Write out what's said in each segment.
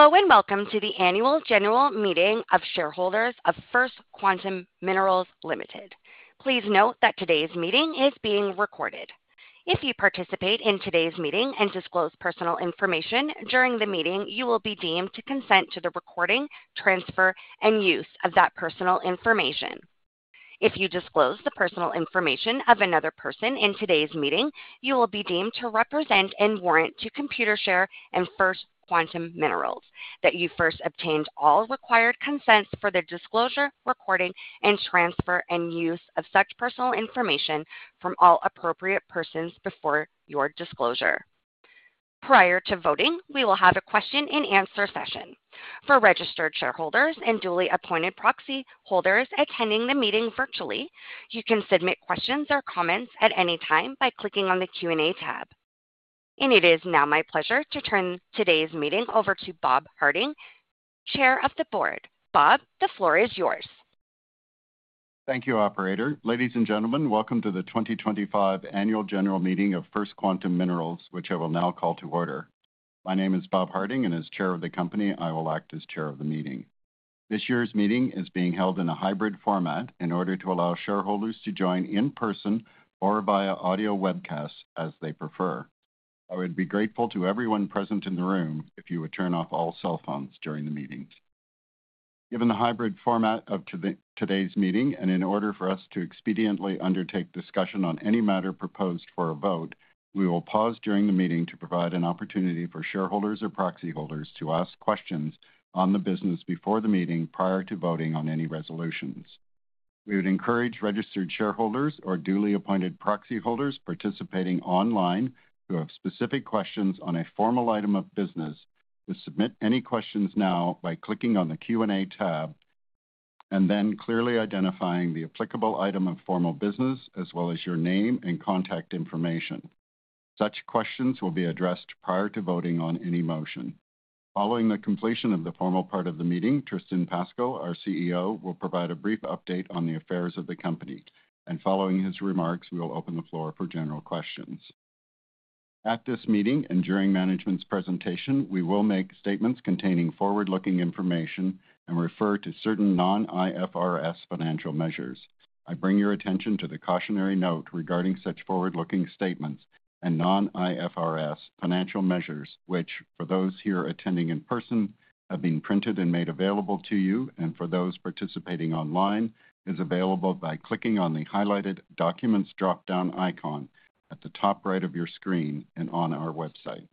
Hello and welcome to the annual general meeting of shareholders of First Quantum Minerals Limited. Please note that today's meeting is being recorded. If you participate in today's meeting and disclose personal information during the meeting, you will be deemed to consent to the recording, transfer, and use of that personal information. If you disclose the personal information of another person in today's meeting, you will be deemed to represent and warrant to Computershare and First Quantum Minerals that you first obtained all required consents for the disclosure, recording, and transfer, and use of such personal information from all appropriate persons before your disclosure. Prior to voting, we will have a question-and-answer session. For registered shareholders and duly appointed proxy holders attending the meeting virtually, you can submit questions or comments at any time by clicking on the Q&A tab. It is now my pleasure to turn today's meeting over to Bob Harding, Chair of the Board. Bob, the floor is yours. Thank you, Operator. Ladies and gentlemen, welcome to the 2025 annual general meeting of First Quantum Minerals, which I will now call to order. My name is Bob Harding, and as Chair of the Company, I will act as Chair of the Meeting. This year's meeting is being held in a hybrid format in order to allow shareholders to join in person or via audio webcast, as they prefer. I would be grateful to everyone present in the room if you would turn off all cell phones during the meetings. Given the hybrid format of today's meeting and in order for us to expediently undertake discussion on any matter proposed for a vote, we will pause during the meeting to provide an opportunity for shareholders or proxy holders to ask questions on the business before the meeting prior to voting on any resolutions. We would encourage registered shareholders or duly appointed proxy holders participating online to have specific questions on a formal item of business to submit any questions now by clicking on the Q&A tab and then clearly identifying the applicable item of formal business, as well as your name and contact information. Such questions will be addressed prior to voting on any motion. Following the completion of the formal part of the meeting, Tristan Pascall, our CEO, will provide a brief update on the affairs of the company, and following his remarks, we will open the floor for general questions. At this meeting and during management's presentation, we will make statements containing forward-looking information and refer to certain Non-IFRS financial measures. I bring your attention to the cautionary note regarding such forward-looking statements and non-IFRS financial measures, which, for those here attending in person, have been printed and made available to you, and for those participating online, is available by clicking on the highlighted documents drop-down icon at the top right of your screen and on our website.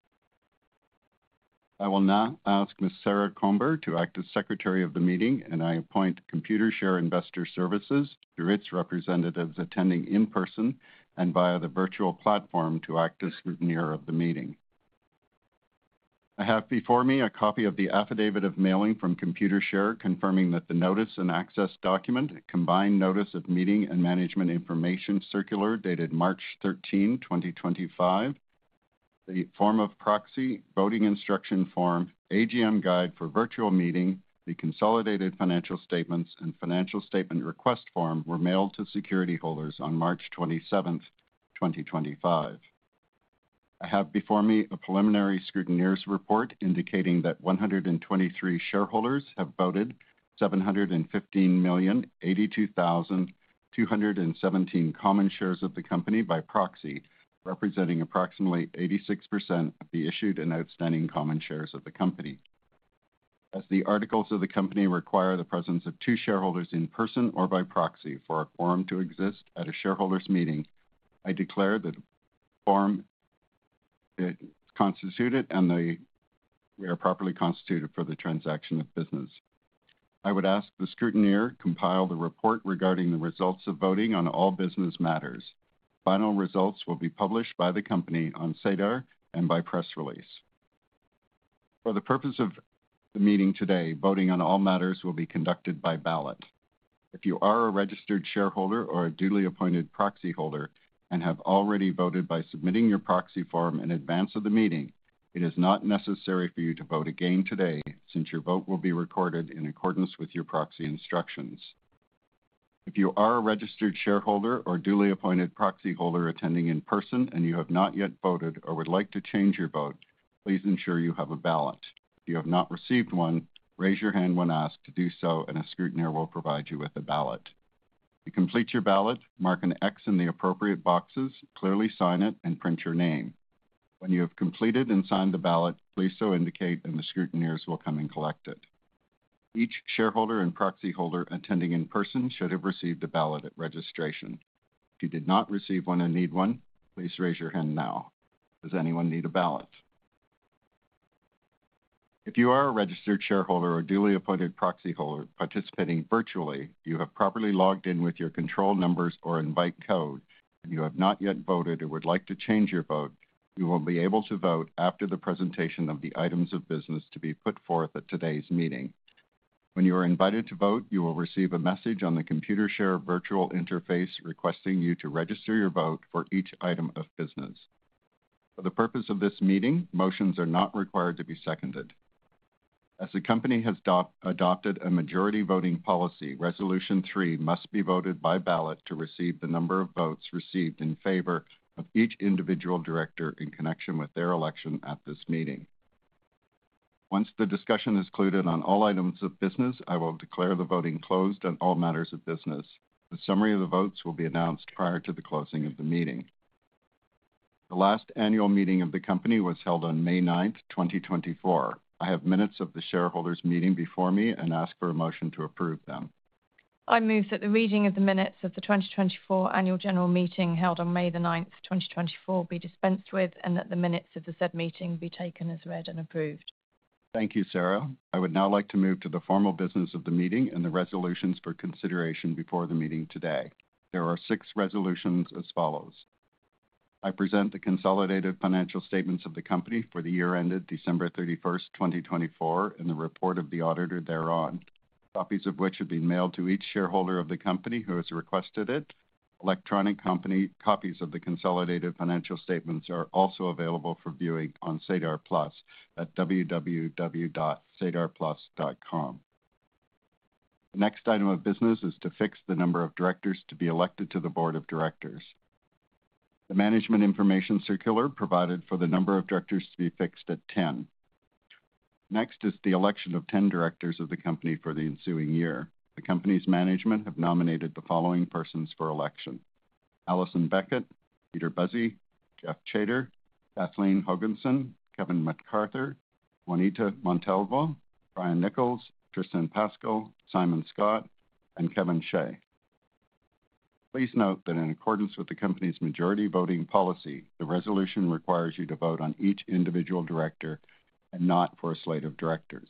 I will now ask Ms. Sarah Comber to act as Secretary of the Meeting, and I appoint Computershare Investor Services, through its representatives attending in person and via the virtual platform, to act as the scrutineer of the Meeting. I have before me a copy of the affidavit of mailing from Computershare confirming that the notice and access document, Combined Notice of Meeting and Management Information Circular dated March 13, 2025, the form of proxy voting instruction form, AGM guide for virtual meeting, the consolidated financial statements and financial statement request form were mailed to security holders on March 27, 2025. I have before me a preliminary scrutineer's report indicating that 123 shareholders have voted 715,082,217 common shares of the company by proxy, representing approximately 86% of the issued and outstanding common shares of the company. As the articles of the company require the presence of two shareholders in person or by proxy for a quorum to exist at a shareholders' meeting, I declare that the quorum is constituted and they are properly constituted for the transaction of business. I would ask the scrutineer to compile the report regarding the results of voting on all business matters. Final results will be published by the company on SEDAR+ and by press release. For the purpose of the meeting today, voting on all matters will be conducted by ballot. If you are a registered shareholder or a duly appointed proxy holder and have already voted by submitting your proxy form in advance of the meeting, it is not necessary for you to vote again today since your vote will be recorded in accordance with your proxy instructions. If you are a registered shareholder or duly appointed proxy holder attending in person and you have not yet voted or would like to change your vote, please ensure you have a ballot. If you have not received one, raise your hand when asked to do so, and a scrutineer will provide you with a ballot. To complete your ballot, mark an X in the appropriate boxes, clearly sign it, and print your name. When you have completed and signed the ballot, please so indicate, and the scrutineers will come and collect it. Each shareholder and proxy holder attending in person should have received a ballot at registration. If you did not receive one and need one, please raise your hand now. Does anyone need a ballot? If you are a registered shareholder or duly appointed proxy holder participating virtually, you have properly logged in with your control numbers or invite code, and you have not yet voted or would like to change your vote, you will be able to vote after the presentation of the items of business to be put forth at today's meeting. When you are invited to vote, you will receive a message on the Computershare virtual interface requesting you to register your vote for each item of business. For the purpose of this meeting, motions are not required to be seconded. As the company has adopted a majority voting policy, Resolution 3 must be voted by ballot to receive the number of votes received in favor of each individual director in connection with their election at this meeting. Once the discussion is concluded on all items of business, I will declare the voting closed on all matters of business. The summary of the votes will be announced prior to the closing of the meeting. The last annual meeting of the company was held on May 9, 2024. I have minutes of the shareholders' meeting before me and ask for a motion to approve them. I move that the reading of the minutes of the 2024 annual general meeting held on May 9, 2024, be dispensed with and that the minutes of the said meeting be taken as read and approved. Thank you, Sarah. I would now like to move to the formal business of the meeting and the resolutions for consideration before the meeting today. There are six resolutions as follows. I present the consolidated financial statements of the company for the year ended December 31, 2024, and the report of the auditor thereon, copies of which have been mailed to each shareholder of the company who has requested it. Electronic copies of the consolidated financial statements are also available for viewing on SEDAR+ at www.sedarplus.com. The next item of business is to fix the number of directors to be elected to the Board of Directors. The Management Information Circular provided for the number of directors to be fixed at 10. Next is the election of 10 directors of the company for the ensuing year. The company's management have nominated the following persons for election: Alison Beckett, Peter Buzzi, Geoff Chater, Kathleen Hogenson, Kevin McArthur, Juanita Montalvo, Brian Nichols, Tristan Pascall, Simon Scott, and Kevin Shea. Please note that in accordance with the company's majority voting policy, the resolution requires you to vote on each individual director and not for a slate of directors.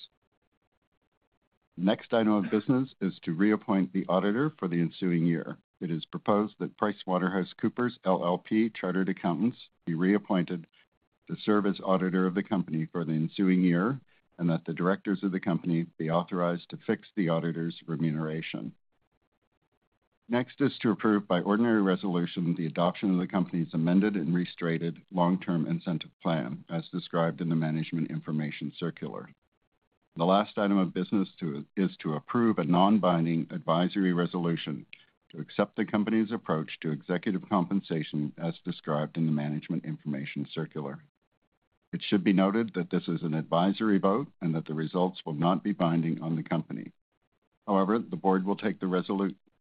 The next item of business is to reappoint the auditor for the ensuing year. It is proposed that PricewaterhouseCoopers LLP, Chartered Accountants, be reappointed to serve as auditor of the company for the ensuing year and that the directors of the company be authorized to fix the auditor's remuneration. Next is to approve by ordinary resolution the adoption of the company's amended and restated long-term incentive plan, as described in the Management Information Circular. The last item of business is to approve a non-binding advisory resolution to accept the company's approach to executive compensation, as described in the Management Information Circular. It should be noted that this is an advisory vote and that the results will not be binding on the company. However, the Board will take the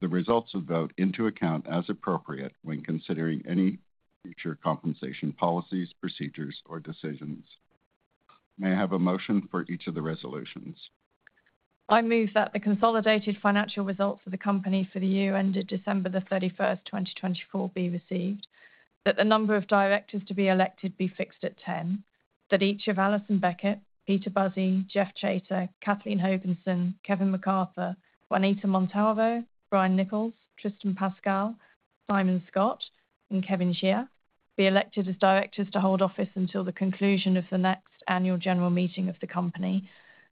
results of the vote into account as appropriate when considering any future compensation policies, procedures, or decisions. May I have a motion for each of the resolutions? I move that the consolidated financial results of the company for the year ended December 31, 2024, be received, that the number of directors to be elected be fixed at 10, that each of Alison Beckett, Peter Buzzi, Geoff Chater, Kathleen Hogenson, Kevin McArthur, Juanita Montalvo, Brian Nichols, Tristan Pascall, Simon Scott, and Kevin Shea be elected as directors to hold office until the conclusion of the next annual general meeting of the company,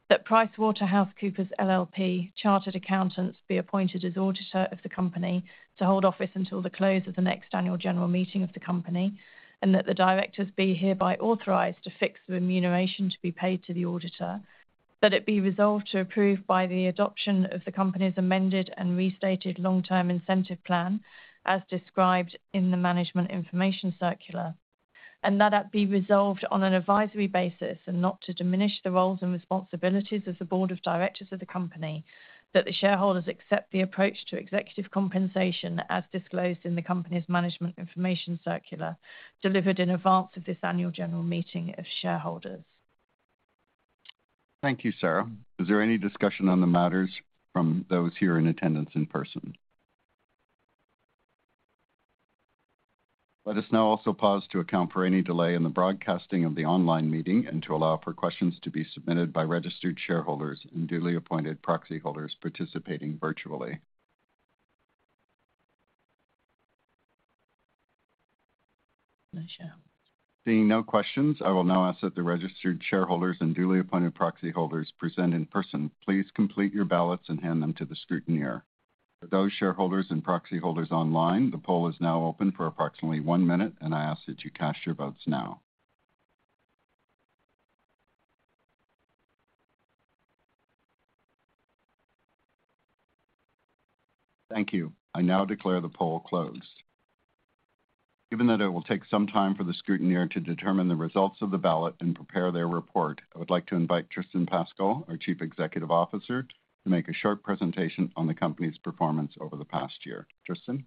that PricewaterhouseCoopers LLP, Chartered Accountants be appointed as auditor of the company to hold office until the close of the next annual general meeting of the company, and that the directors be hereby authorized to fix the remuneration to be paid to the auditor, that it be resolved to approve by the adoption of the company's amended and restated long-term incentive plan, as described in the management information circular, and that it be resolved on an advisory basis and not to diminish the roles and responsibilities of the Board of Directors of the company, that the shareholders accept the approach to executive compensation as disclosed in the company's management information circular delivered in advance of this annual general meeting of shareholders. Thank you, Sarah. Is there any discussion on the matters from those here in attendance in person? Let us now also pause to account for any delay in the broadcasting of the online meeting and to allow for questions to be submitted by registered shareholders and duly appointed proxy holders participating virtually. No questions. Seeing no questions, I will now ask that the registered shareholders and duly appointed proxy holders present in person, please complete your ballots and hand them to the scrutineer. For those shareholders and proxy holders online, the poll is now open for approximately one minute, and I ask that you cast your votes now. Thank you. I now declare the poll closed. Given that it will take some time for the scrutineer to determine the results of the ballot and prepare their report, I would like to invite Tristan Pascall, our Chief Executive Officer, to make a short presentation on the company's performance over the past year. Tristan?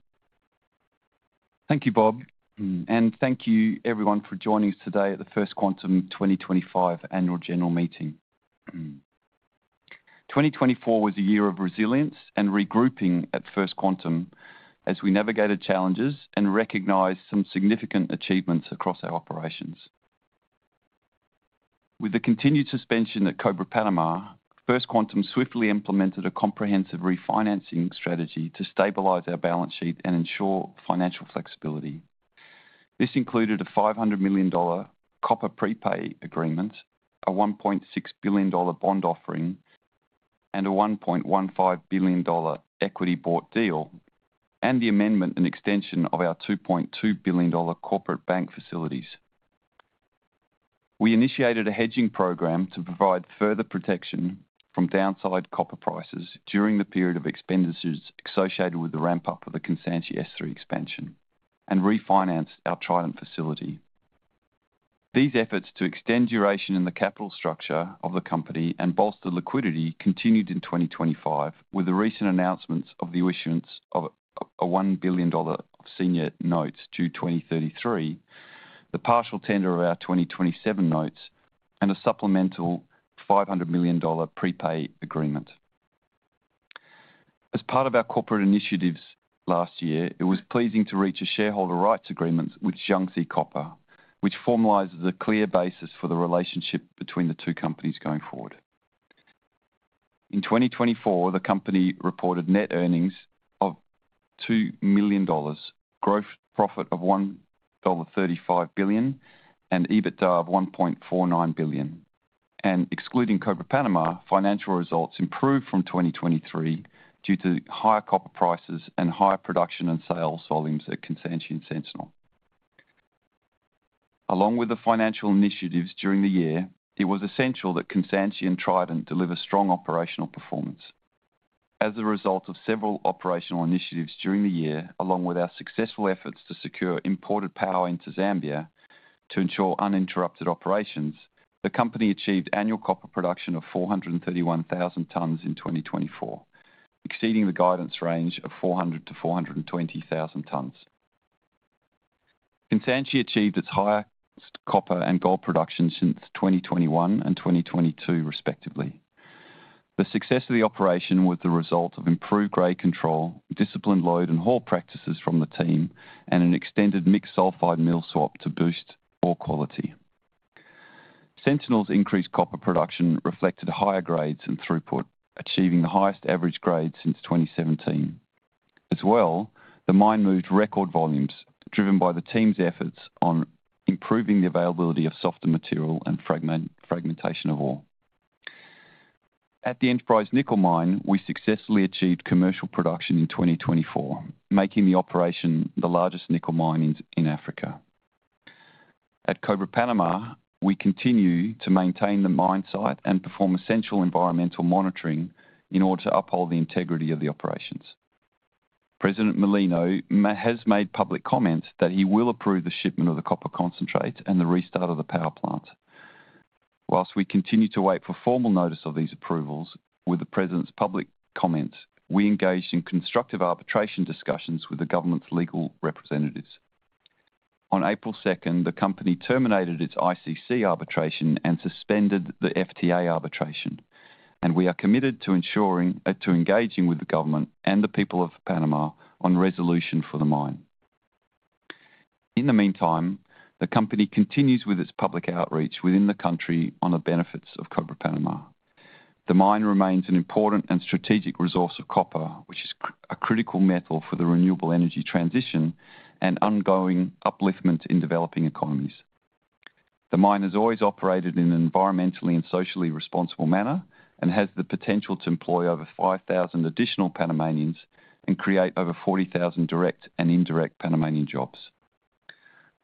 Thank you, Bob, and thank you, everyone, for joining us today at the First Quantum 2025 annual general meeting. 2024 was a year of resilience and regrouping at First Quantum as we navigated challenges and recognized some significant achievements across our operations. With the continued suspension at Cobre Panamá, First Quantum swiftly implemented a comprehensive refinancing strategy to stabilize our balance sheet and ensure financial flexibility. This included a $500 million copper prepay agreement, a $1.6 billion bond offering, and a $1.15 billion equity bought deal, and the amendment and extension of our $2.2 billion corporate bank facilities. We initiated a hedging program to provide further protection from downside copper prices during the period of expenditures associated with the ramp-up of the Kansanshi S3 expansion and refinanced our Trident facility. These efforts to extend duration in the capital structure of the company and bolster liquidity continued in 2025, with the recent announcements of the issuance of a $1 billion of senior notes due 2033, the partial tender of our 2027 notes, and a supplemental $500 million prepay agreement. As part of our corporate initiatives last year, it was pleasing to reach a shareholder rights agreement with Jiangxi Copper, which formalizes a clear basis for the relationship between the two companies going forward. In 2024, the company reported net earnings of $2 million, gross profit of $1.35 billion, and EBITDA of $1.49 billion, and excluding Cobre Panamá, financial results improved from 2023 due to higher copper prices and higher production and sales volumes at Kansanshi and Sentinel. Along with the financial initiatives during the year, it was essential that Kansanshi and Trident deliver strong operational performance. As a result of several operational initiatives during the year, along with our successful efforts to secure imported power into Zambia to ensure uninterrupted operations, the company achieved annual copper production of 431,000 tons in 2024, exceeding the guidance range of 400,000 tons-420,000 tons. Kansanshi achieved its highest copper and gold production since 2021 and 2022, respectively. The success of the operation was the result of improved grade control, disciplined load and haul practices from the team, and an extended mixed sulfide mill swap to boost ore quality. Sentinel's increased copper production reflected higher grades and throughput, achieving the highest average grade since 2017. As well, the mine moved record volumes, driven by the team's efforts on improving the availability of softer material and fragmentation of ore. At the Enterprise Nickel Mine, we successfully achieved commercial production in 2024, making the operation the largest nickel mine in Africa. At Cobre Panama, we continue to maintain the mine site and perform essential environmental monitoring in order to uphold the integrity of the operations. President Mulino has made public comments that he will approve the shipment of the copper concentrate and the restart of the power plant. While we continue to wait for formal notice of these approvals, with the president's public comments, we engaged in constructive arbitration discussions with the government's legal representatives. On April 2, the company terminated its ICC arbitration and suspended the FTA arbitration, and we are committed to engaging with the government and the people of Panama on resolution for the mine. In the meantime, the company continues with its public outreach within the country on the benefits of Cobre Panamá. The mine remains an important and strategic resource of copper, which is a critical metal for the renewable energy transition and ongoing upliftment in developing economies. The mine has always operated in an environmentally and socially responsible manner and has the potential to employ over 5,000 additional Panamanians and create over 40,000 direct and indirect Panamanian jobs.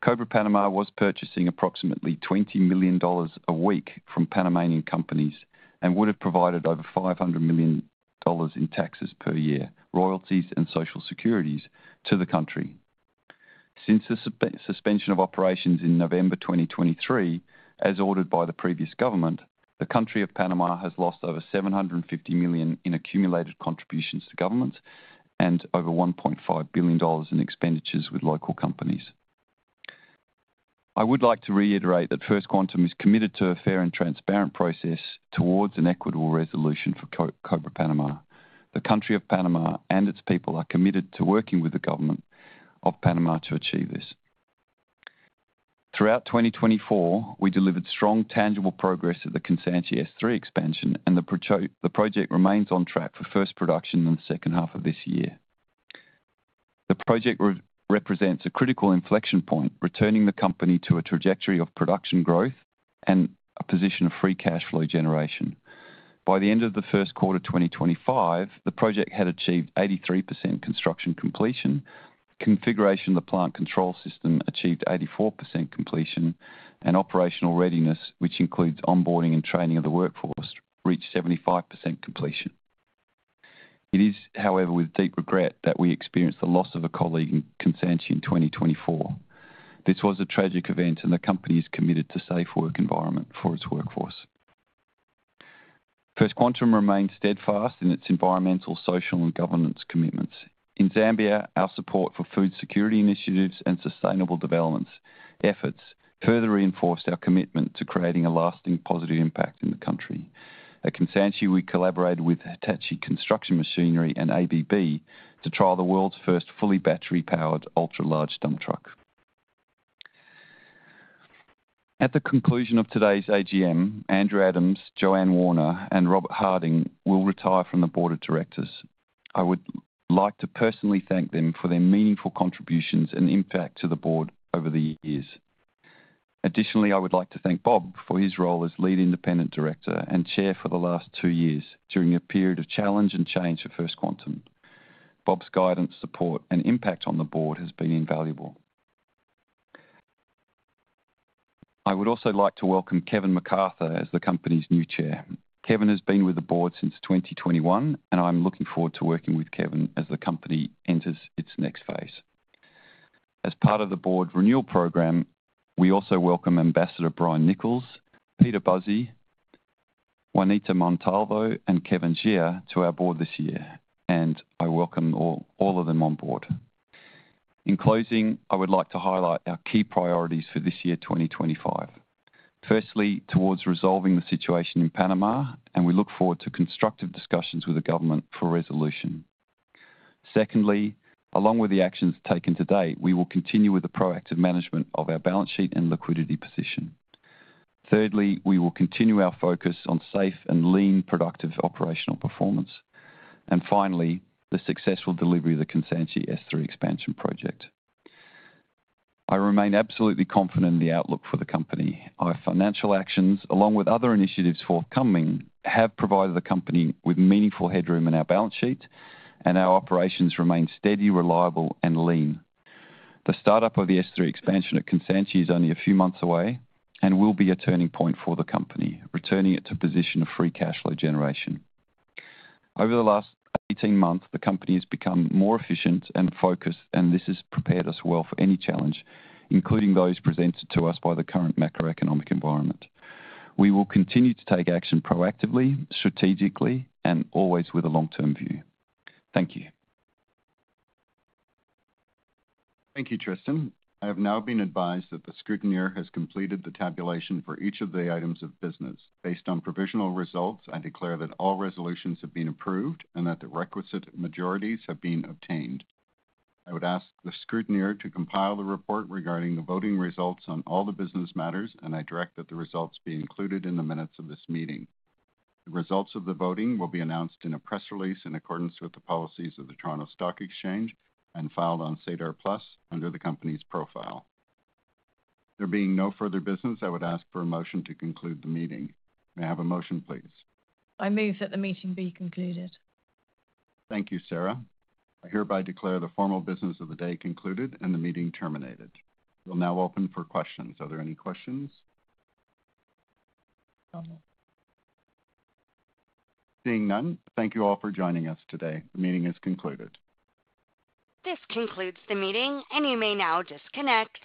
Cobre Panama was purchasing approximately $20 million a week from Panamanian companies and would have provided over $500 million in taxes per year, royalties, and social securities to the country. Since the suspension of operations in November 2023, as ordered by the previous government, the country of Panama has lost over $750 million in accumulated contributions to governments and over $1.5 billion in expenditures with local companies. I would like to reiterate that First Quantum is committed to a fair and transparent process towards an equitable resolution for Cobre Panamá. The country of Panama and its people are committed to working with the government of Panama to achieve this. Throughout 2024, we delivered strong tangible progress at the Kansanshi S3 Expansion, and the project remains on track for first production in the second half of this year. The project represents a critical inflection point, returning the company to a trajectory of production growth and a position of free cash flow generation. By the end of the first quarter 2025, the project had achieved 83% construction completion, configuration of the plant control system achieved 84% completion, and operational readiness, which includes onboarding and training of the workforce, reached 75% completion. It is, however, with deep regret that we experienced the loss of a colleague in Kansanshi in 2024. This was a tragic event, and the company is committed to a safe work environment for its workforce. First Quantum remains steadfast in its environmental, social, and governance commitments. In Zambia, our support for food security initiatives and sustainable development efforts further reinforced our commitment to creating a lasting positive impact in the country. At Kansanshi, we collaborated with Hitachi Construction Machinery and ABB to try the world's first fully battery-powered ultra-large dump truck. At the conclusion of today's AGM, Andrew Adams, Joanne Warner, and Robert Harding will retire from the Board of Directors. I would like to personally thank them for their meaningful contributions and impact to the board over the years. Additionally, I would like to thank Bob for his role as lead independent director and chair for the last two years during a period of challenge and change for First Quantum. Bob's guidance, support, and impact on the board has been invaluable. I would also like to welcome Kevin McArthur as the company's new chair. Kevin has been with the Board since 2021, and I'm looking forward to working with Kevin as the company enters its next phase. As part of the board renewal program, we also welcome Ambassador Brian Nichols, Peter Buzzi, Juanita Montalvo, and Kevin Shea to our board this year, and I welcome all of them on board. In closing, I would like to highlight our key priorities for this year 2025. Firstly, towards resolving the situation in Panama, and we look forward to constructive discussions with the government for resolution. Secondly, along with the actions taken today, we will continue with the proactive management of our balance sheet and liquidity position. Thirdly, we will continue our focus on safe and lean, productive operational performance. And finally, the successful delivery of the Kansanshi S3 expansion project. I remain absolutely confident in the outlook for the company. Our financial actions, along with other initiatives forthcoming, have provided the company with meaningful headroom in our balance sheet, and our operations remain steady, reliable, and lean. The startup of the S3 Expansion at Kansanshi is only a few months away and will be a turning point for the company, returning it to a position of free cash flow generation. Over the last 18 months, the company has become more efficient and focused, and this has prepared us well for any challenge, including those presented to us by the current macroeconomic environment. We will continue to take action proactively, strategically, and always with a long-term view. Thank you. Thank you, Tristan. I have now been advised that the scrutineer has completed the tabulation for each of the items of business. Based on provisional results, I declare that all resolutions have been approved and that the requisite majorities have been obtained. I would ask the scrutineer to compile the report regarding the voting results on all the business matters, and I direct that the results be included in the minutes of this meeting. The results of the voting will be announced in a press release in accordance with the policies of the Toronto Stock Exchange and filed on SEDAR+ under the company's profile. There being no further business, I would ask for a motion to conclude the meeting. May I have a motion, please? I move that the meeting be concluded. Thank you, Sarah. I hereby declare the formal business of the day concluded and the meeting terminated. We'll now open for questions. Are there any questions? No. Seeing none, thank you all for joining us today. The meeting is concluded. This concludes the meeting, and you may now disconnect.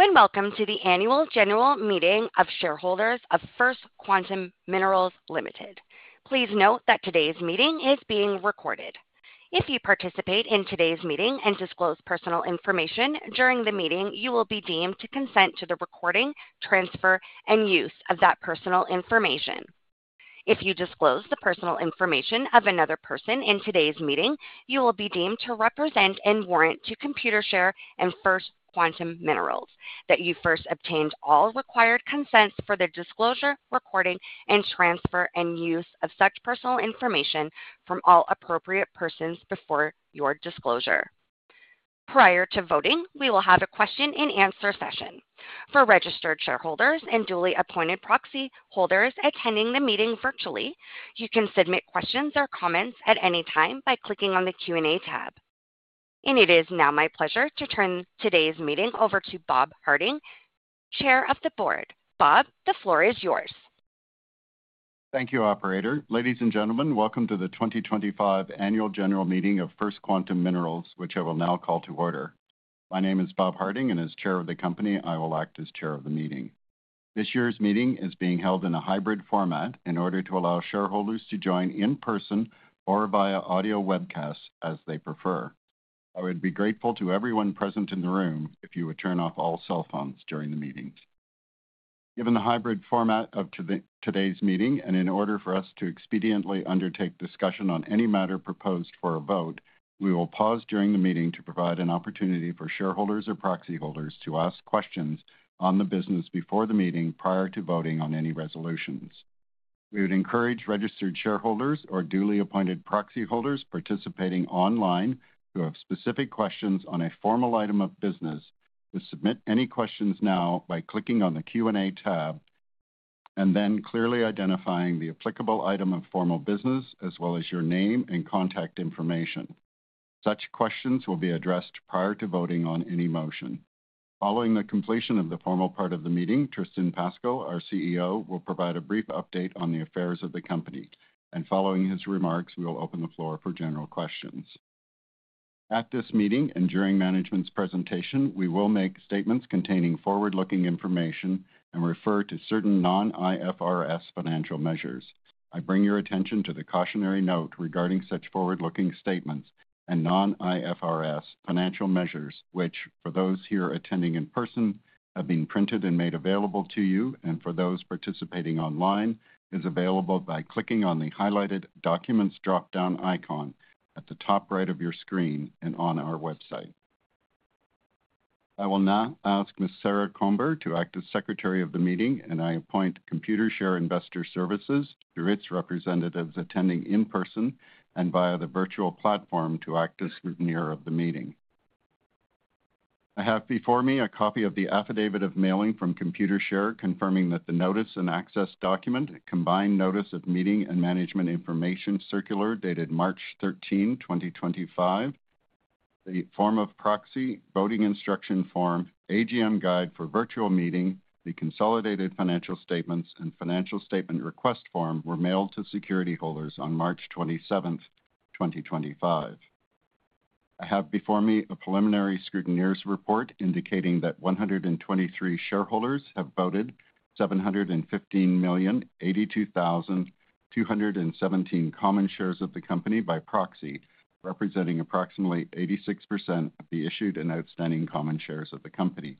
Hello and welcome to the annual general meeting of shareholders of First Quantum Minerals Limited. Please note that today's meeting is being recorded. If you participate in today's meeting and disclose personal information during the meeting, you will be deemed to consent to the recording, transfer, and use of that personal information. If you disclose the personal information of another person in today's meeting, you will be deemed to represent and warrant to Computershare and First Quantum Minerals that you first obtained all required consents for the disclosure, recording, and transfer and use of such personal information from all appropriate persons before your disclosure. Prior to voting, we will have a question-and-answer session. For registered shareholders and duly appointed proxy holders attending the meeting virtually, you can submit questions or comments at any time by clicking on the Q&A tab. It is now my pleasure to turn today's meeting over to Bob Harding, Chair of the Board. Bob, the floor is yours. Thank you, Operator. Ladies and gentlemen, welcome to the 2025 annual general meeting of First Quantum Minerals, which I will now call to order. My name is Bob Harding, and as Chair of the Company, I will act as Chair of the Meeting. This year's meeting is being held in a hybrid format in order to allow shareholders to join in person or via audio webcast as they prefer. I would be grateful to everyone present in the room if you would turn off all cell phones during the meetings. Given the hybrid format of today's meeting, and in order for us to expediently undertake discussion on any matter proposed for a vote, we will pause during the meeting to provide an opportunity for shareholders or proxy holders to ask questions on the business before the meeting prior to voting on any resolutions. We would encourage registered shareholders or duly appointed proxy holders participating online to have specific questions on a formal item of business to submit any questions now by clicking on the Q&A tab and then clearly identifying the applicable item of formal business as well as your name and contact information. Such questions will be addressed prior to voting on any motion. Following the completion of the formal part of the meeting, Tristan Pascall, our CEO, will provide a brief update on the affairs of the company. Following his remarks, we will open the floor for general questions. At this meeting and during management's presentation, we will make statements containing forward-looking information and refer to certain non-IFRS financial measures. I bring your attention to the cautionary note regarding such forward-looking statements and non-IFRS financial measures, which, for those here attending in person, have been printed and made available to you, and for those participating online, is available by clicking on the highlighted documents dropdown icon at the top right of your screen and on our website. I will now ask Ms. Sarah Comber to act as Secretary of the Meeting, and I appoint Computershare Investor Services through its representatives attending in person and via the virtual platform to act as scrutineer of the meeting. I have before me a copy of the affidavit of mailing from Computershare confirming that the notice and access document, combined notice of meeting and management information circular dated March 13, 2025, the form of proxy voting instruction form, AGM guide for virtual meeting, the consolidated financial statements and financial statement request form were mailed to security holders on March 27, 2025. I have before me a preliminary scrutineer's report indicating that 123 shareholders have voted 715,082,217 common shares of the company by proxy, representing approximately 86% of the issued and outstanding common shares of the company.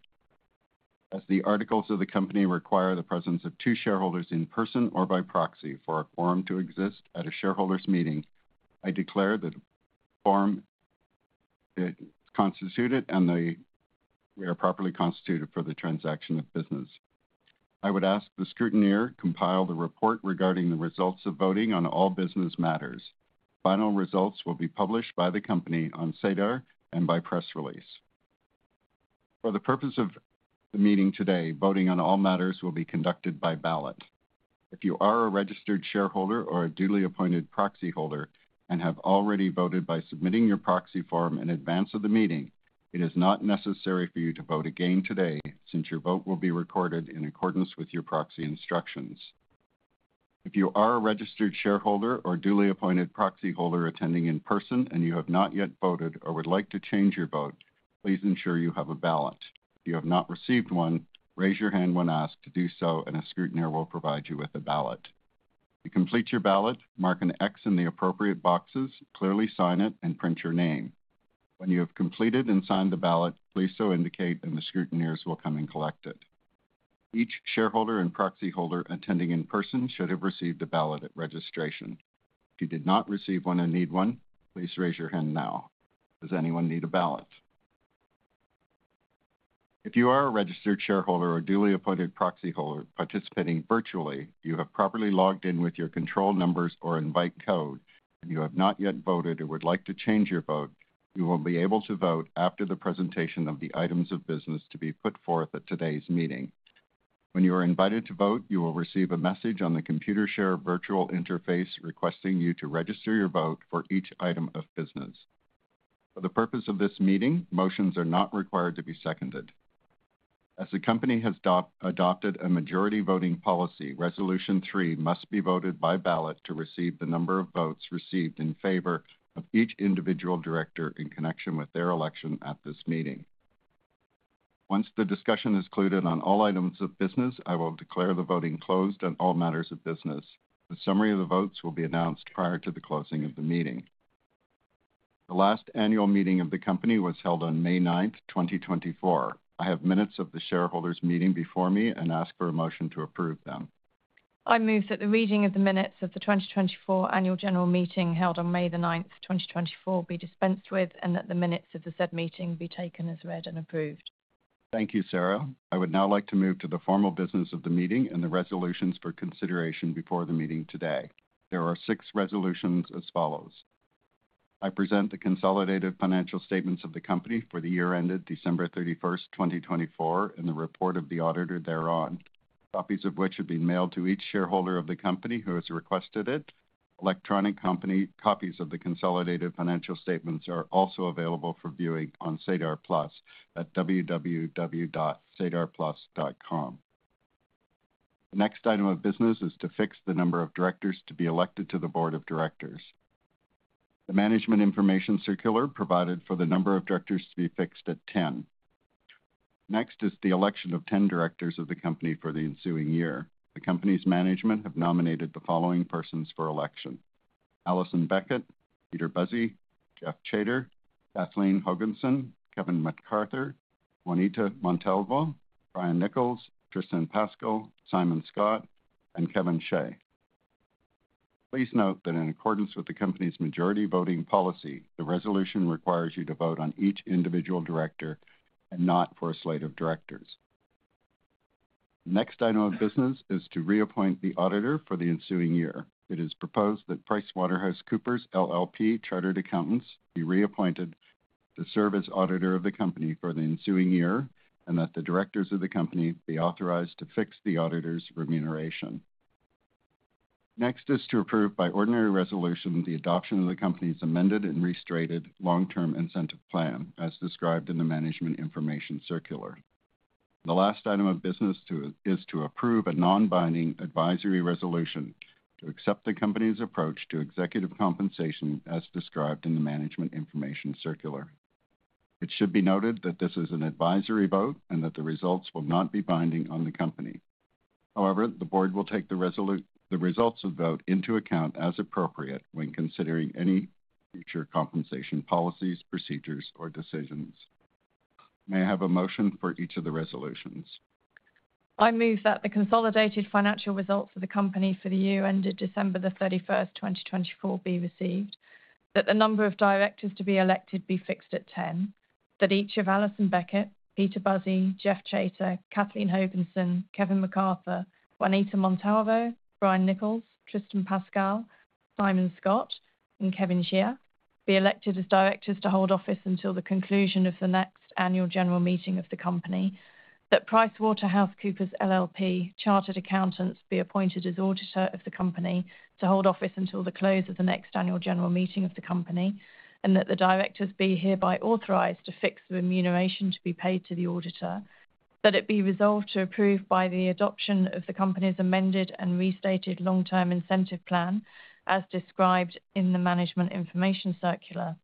As the articles of the company require the presence of two shareholders in person or by proxy for a quorum to exist at a shareholders' meeting, I declare that the quorum is constituted and we are properly constituted for the transaction of business. I would ask the scrutineer to compile the report regarding the results of voting on all business matters. Final results will be published by the company on SEDAR+ and by press release. For the purpose of the meeting today, voting on all matters will be conducted by ballot. If you are a registered shareholder or a duly appointed proxy holder and have already voted by submitting your proxy form in advance of the meeting, it is not necessary for you to vote again today since your vote will be recorded in accordance with your proxy instructions. If you are a registered shareholder or duly appointed proxy holder attending in person and you have not yet voted or would like to change your vote, please ensure you have a ballot. If you have not received one, raise your hand when asked to do so, and a scrutineer will provide you with a ballot. To complete your ballot, mark an X in the appropriate boxes, clearly sign it, and print your name. When you have completed and signed the ballot, please so indicate, and the scrutineers will come and collect it. Each shareholder and proxy holder attending in person should have received a ballot at registration. If you did not receive one and need one, please raise your hand now. Does anyone need a ballot? If you are a registered shareholder or duly appointed proxy holder participating virtually, you have properly logged in with your control numbers or invite code, and you have not yet voted or would like to change your vote, you will be able to vote after the presentation of the items of business to be put forth at today's meeting. When you are invited to vote, you will receive a message on the Computershare virtual interface requesting you to register your vote for each item of business. For the purpose of this meeting, motions are not required to be seconded. As the company has adopted a majority voting policy, Resolution 3 must be voted by ballot to receive the number of votes received in favor of each individual director in connection with their election at this meeting. Once the discussion is concluded on all items of business, I will declare the voting closed on all matters of business. The summary of the votes will be announced prior to the closing of the meeting. The last annual meeting of the company was held on May 9, 2024. I have minutes of the shareholders' meeting before me and ask for a motion to approve them. I move that the reading of the minutes of the 2024 annual general meeting held on May 9, 2024, be dispensed with and that the minutes of the said meeting be taken as read and approved. Thank you, Sarah. I would now like to move to the formal business of the meeting and the resolutions for consideration before the meeting today. There are six resolutions as follows. I present the consolidated financial statements of the company for the year ended December 31, 2024, and the report of the auditor thereon, copies of which have been mailed to each shareholder of the company who has requested it. Electronic copies of the consolidated financial statements are also available for viewing on SEDAR+ at www.sedarplus.ca. The next item of business is to fix the number of directors to be elected to the Board of Directors. The management information circular provided for the number of directors to be fixed at 10. Next is the election of 10 directors of the company for the ensuing year. The company's management have nominated the following persons for election: Alison Beckett, Peter Buzzi, Geoff Chater, Kathleen Hogenson, Kevin McArthur, Juanita Montalvo, Brian Nichols, Tristan Pascall, Simon Scott, and Kevin Shea. Please note that in accordance with the company's majority voting policy, the resolution requires you to vote on each individual director and not for a slate of directors. The next item of business is to reappoint the auditor for the ensuing year. It is proposed that PricewaterhouseCoopers LLP, Chartered Accountants, be reappointed to serve as auditor of the company for the ensuing year and that the directors of the company be authorized to fix the auditor's remuneration. Next is to approve by ordinary resolution the adoption of the company's amended and restated long-term incentive plan, as described in the management information circular. The last item of business is to approve a non-binding advisory resolution to accept the company's approach to executive compensation, as described in the Management Information Circular. It should be noted that this is an advisory vote and that the results will not be binding on the company. However, the Board will take the results of the vote into account as appropriate when considering any future compensation policies, procedures, or decisions. May I have a motion for each of the resolutions? I move that the consolidated financial statements of the company for the year ended December 31, 2024, be received, that the number of directors to be elected be fixed at 10, that each of Alison Beckett, Peter Buzzi, Geoff Chater, Kathleen Hogenson, Kevin McArthur, Juanita Montalvo, Brian Nichols, Tristan Pascall, Simon Scott, and Kevin Shea be elected as directors to hold office until the conclusion of the next annual general meeting of the company, that PricewaterhouseCoopers LLP, Chartered Accountants be appointed as auditor of the company to hold office until the close of the next annual general meeting of the company, and that the directors be hereby authorized to fix the remuneration to be paid to the auditor, that it be resolved to approve by the adoption of the company's amended and restated long-term incentive plan, as described in the management information circular,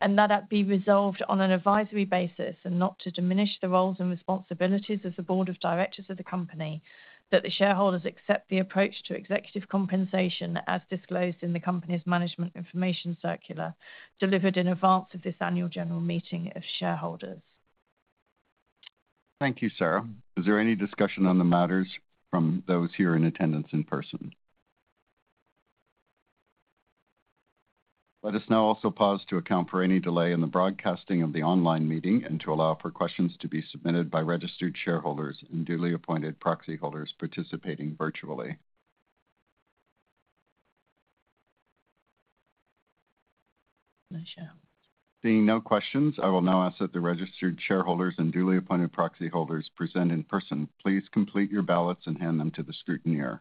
and that it be resolved on an advisory basis and not to diminish the roles and responsibilities of the Board of Directors of the company, that the shareholders accept the approach to executive compensation as disclosed in the company's management information circular delivered in advance of this annual general meeting of shareholders. Thank you, Sarah. Is there any discussion on the matters from those here in attendance in person? Let us now also pause to account for any delay in the broadcasting of the online meeting and to allow for questions to be submitted by registered shareholders and duly appointed proxy holders participating virtually. No questions. Seeing no questions, I will now ask that the registered shareholders and duly appointed proxy holders present in person, please complete your ballots and hand them to the scrutineer.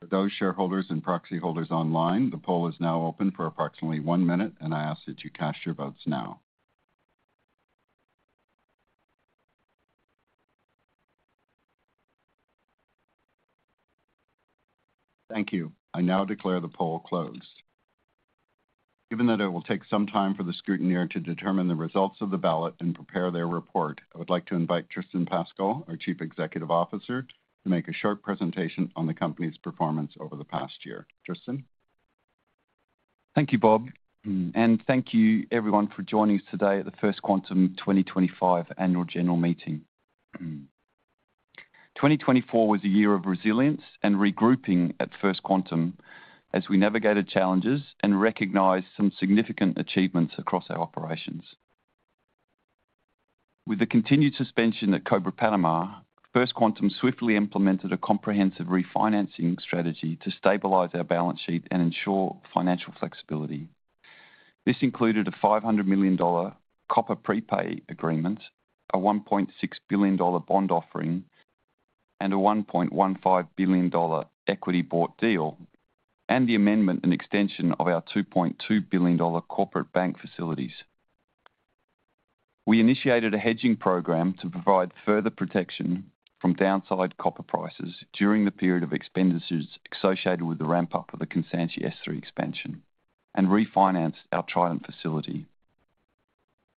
For those shareholders and proxy holders online, the poll is now open for approximately one minute, and I ask that you cast your votes now. Thank you. I now declare the poll closed. Given that it will take some time for the scrutineer to determine the results of the ballot and prepare their report, I would like to invite Tristan Pascall, our Chief Executive Officer, to make a short presentation on the company's performance over the past year. Tristan? Thank you, Bob, and thank you, everyone, for joining us today at the First Quantum 2025 annual general meeting. 2024 was a year of resilience and regrouping at First Quantum as we navigated challenges and recognized some significant achievements across our operations. With the continued suspension at Cobre Panamá, First Quantum swiftly implemented a comprehensive refinancing strategy to stabilize our balance sheet and ensure financial flexibility. This included a $500 million copper prepay agreement, a $1.6 billion bond offering, and a $1.15 billion equity bought deal, and the amendment and extension of our $2.2 billion corporate bank facilities. We initiated a hedging program to provide further protection from downside copper prices during the period of expenditures associated with the ramp-up of the Kansanshi S3 expansion and refinanced our Trident facility.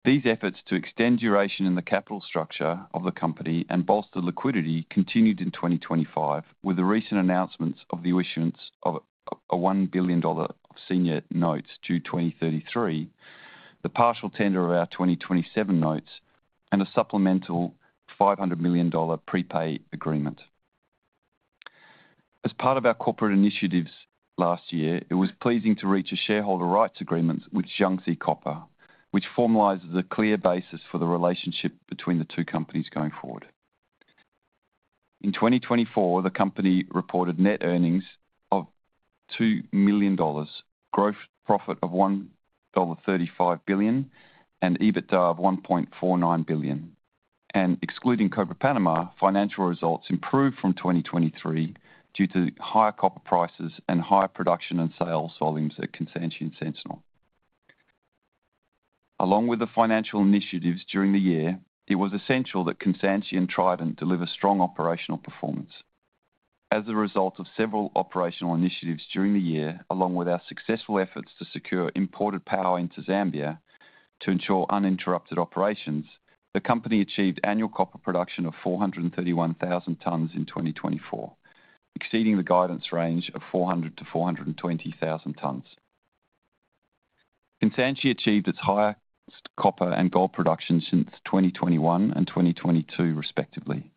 These efforts to extend duration in the capital structure of the company and bolster liquidity continued in 2025 with the recent announcements of the issuance of a $1 billion of senior notes due 2033, the partial tender of our 2027 notes, and a supplemental $500 million prepay agreement. As part of our corporate initiatives last year, it was pleasing to reach a shareholder rights agreement with Jiangxi Copper, which formalizes a clear basis for the relationship between the two companies going forward. In 2024, the company reported net earnings of $2 million, gross profit of $1.35 billion, and EBITDA of $1.49 billion, and excluding Cobre Panamá, financial results improved from 2023 due to higher copper prices and higher production and sales volumes at Kansanshi and Sentinel. Along with the financial initiatives during the year, it was essential that Kansanshi and Trident deliver strong operational performance. As a result of several operational initiatives during the year, along with our successful efforts to secure imported power in Zambia to ensure uninterrupted operations, the company achieved annual copper production of 431,000 tons in 2024, exceeding the guidance range of 400,000 to 420,000 tons. Kansanshi achieved its highest copper and gold production since 2021 and 2022, respectively.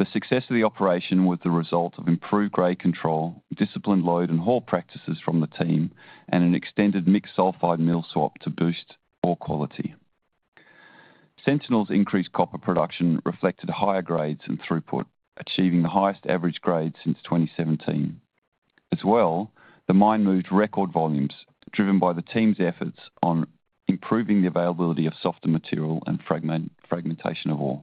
The success of the operation was the result of improved grade control, disciplined load and haul practices from the team, and an extended mixed sulfide mill swap to boost ore quality. Sentinel's increased copper production reflected higher grades and throughput, achieving the highest average grade since 2017. As well, the mine moved record volumes driven by the team's efforts on improving the availability of softer material and fragmentation of ore.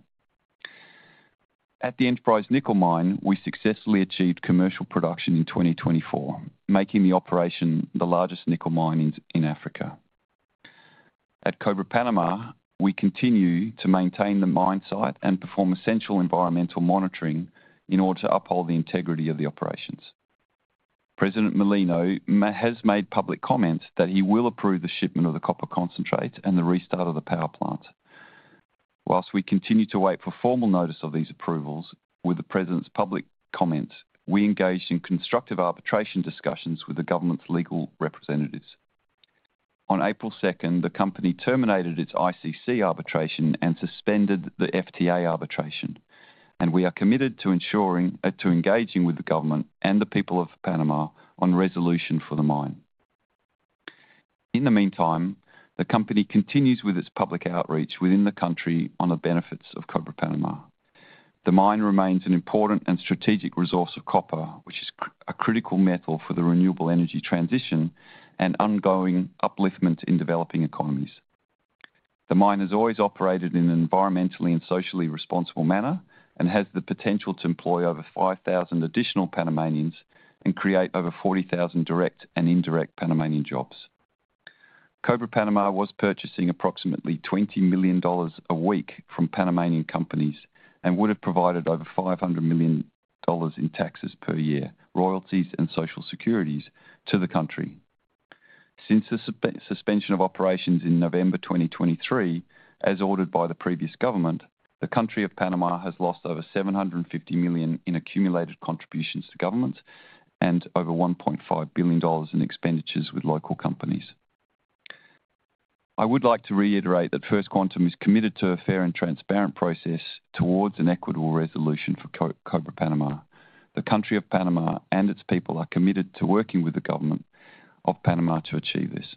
At the Enterprise Nickel Mine, we successfully achieved commercial production in 2024, making the operation the largest nickel mine in Africa. At Cobre Panamá, we continue to maintain the mine site and perform essential environmental monitoring in order to uphold the integrity of the operations. President Mulino has made public comments that he will approve the shipment of the copper concentrate and the restart of the power plant. While we continue to wait for formal notice of these approvals, with the president's public comments, we engaged in constructive arbitration discussions with the government's legal representatives. On April 2, the company terminated its ICC arbitration and suspended the FTA arbitration, and we are committed to engaging with the government and the people of Panamá on resolution for the mine. In the meantime, the company continues with its public outreach within the country on the benefits of Cobre Panamá. The mine remains an important and strategic resource of copper, which is a critical metal for the renewable energy transition and ongoing upliftment in developing economies. The mine has always operated in an environmentally and socially responsible manner and has the potential to employ over 5,000 additional Panamanians and create over 40,000 direct and indirect Panamanian jobs. Cobre Panamá was purchasing approximately $20 million a week from Panamanian companies and would have provided over $500 million in taxes per year, royalties, and social securities to the country. Since the suspension of operations in November 2023, as ordered by the previous government, the country of Panama has lost over $750 million in accumulated contributions to governments and over $1.5 billion in expenditures with local companies. I would like to reiterate that First Quantum is committed to a fair and transparent process towards an equitable resolution for Cobre Panamá. The country of Panama and its people are committed to working with the government of Panama to achieve this.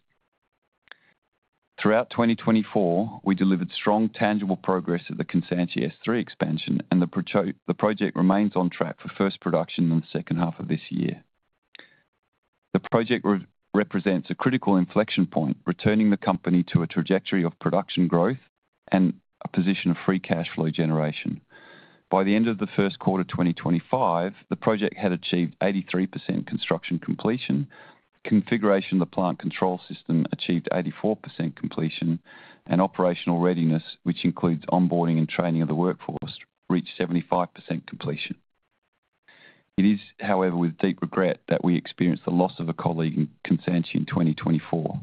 Throughout 2024, we delivered strong tangible progress at the Kansanshi S3 expansion, and the project remains on track for first production in the second half of this year. The project represents a critical inflection point, returning the company to a trajectory of production growth and a position of free cash flow generation. By the end of the first quarter 2025, the project had achieved 83% construction completion, configuration of the plant control system achieved 84% completion, and operational readiness, which includes onboarding and training of the workforce, reached 75% completion. It is, however, with deep regret that we experienced the loss of a colleague in Kansanshi in 2024.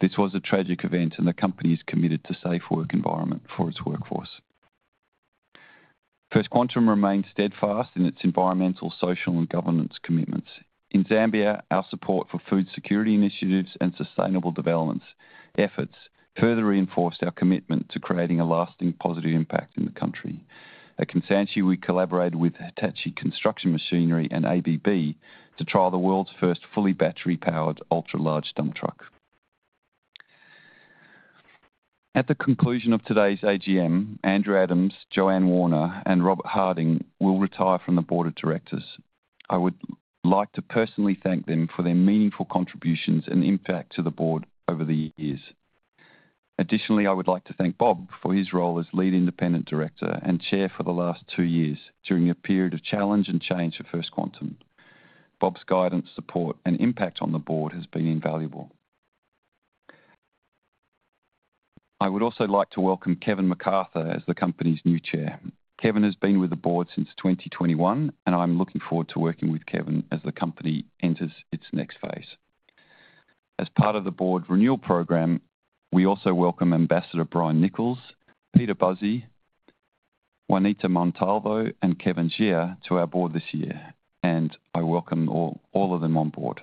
This was a tragic event, and the company is committed to a safe work environment for its workforce. First Quantum remains steadfast in its environmental, social, and governance commitments. In Zambia, our support for food security initiatives and sustainable development efforts further reinforced our commitment to creating a lasting positive impact in the country. At Kansanshi, we collaborated with Hitachi Construction Machinery and ABB to try the world's first fully battery-powered ultra-large dump truck. At the conclusion of today's AGM, Andrew Adams, Joanne Warner, and Robert Harding will retire from the Board of Directors. I would like to personally thank them for their meaningful contributions and impact to the board over the years. Additionally, I would like to thank Bob for his role as lead independent director and chair for the last two years during a period of challenge and change for First Quantum. Bob's guidance, support, and impact on the board have been invaluable. I would also like to welcome Kevin McArthur as the company's new chair. Kevin has been with the Board since 2021, and I'm looking forward to working with Kevin as the company enters its next phase. As part of the board renewal program, we also welcome Ambassador Brian Nichols, Peter Buzzi, Juanita Montalvo, and Kevin Shea to our board this year, and I welcome all of them on board.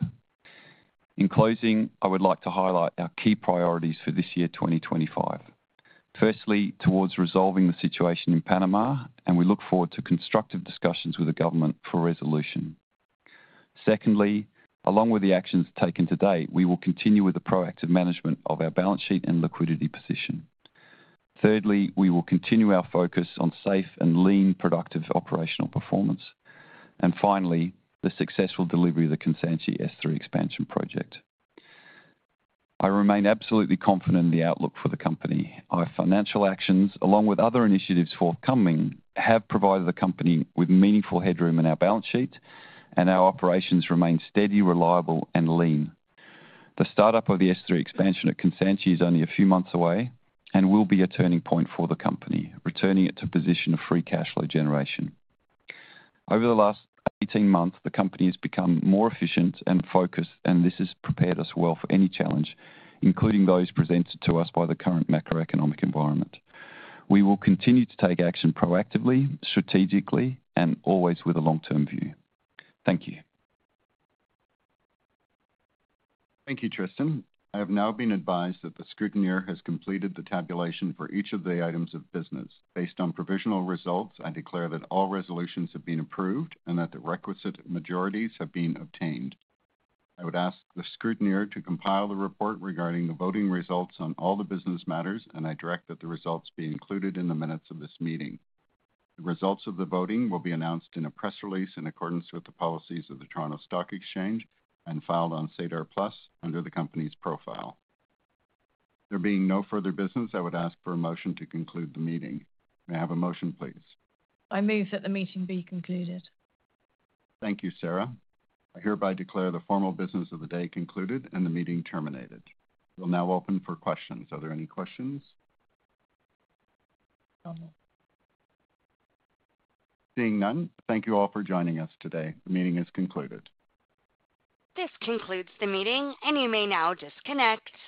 In closing, I would like to highlight our key priorities for this year, 2025. Firstly, towards resolving the situation in Panama, and we look forward to constructive discussions with the government for resolution. Secondly, along with the actions taken today, we will continue with the proactive management of our balance sheet and liquidity position. Thirdly, we will continue our focus on safe, lean, productive operational performance. And finally, the successful delivery of the Kansanshi S3 expansion project. I remain absolutely confident in the outlook for the company. Our financial actions, along with other initiatives forthcoming, have provided the company with meaningful headroom in our balance sheet, and our operations remain steady, reliable, and lean. The startup of the S3 Expansion at Kansanshi is only a few months away and will be a turning point for the company, returning it to a position of free cash flow generation. Over the last 18 months, the company has become more efficient and focused, and this has prepared us well for any challenge, including those presented to us by the current macroeconomic environment. We will continue to take action proactively, strategically, and always with a long-term view. Thank you. Thank you, Tristan. I have now been advised that the scrutineer has completed the tabulation for each of the items of business. Based on provisional results, I declare that all resolutions have been approved and that the requisite majorities have been obtained. I would ask the scrutineer to compile the report regarding the voting results on all the business matters, and I direct that the results be included in the minutes of this meeting. The results of the voting will be announced in a press release in accordance with the policies of the Toronto Stock Exchange and filed on SEDAR+ under the company's profile. There being no further business, I would ask for a motion to conclude the meeting. May I have a motion, please? I move that the meeting be concluded. Thank you, Sarah. I hereby declare the formal business of the day concluded and the meeting terminated. We'll now open for questions. Are there any questions? No. Seeing none, thank you all for joining us today. The meeting is concluded. This concludes the meeting, and you may now disconnect.